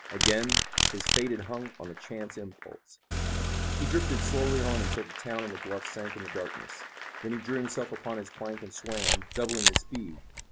Again, his fate had hung on a chance impulse. He drifted slowly on until the town and the bluffs sank in the darkness. Then he drew himself upon his plank and swam, doubling his speed.